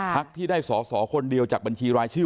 ที่ได้สอสอคนเดียวจากบัญชีรายชื่อ